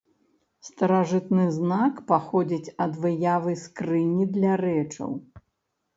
Старажытны знак паходзіць ад выявы скрыні для рэчаў.